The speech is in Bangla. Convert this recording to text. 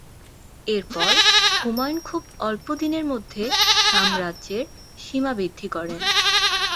এরপর, হুমায়ুন খুব অল্পদিনের মধ্যে সাম্রাজ্যের সীমা বৃদ্ধি করেন।